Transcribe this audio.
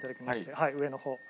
はい上の方。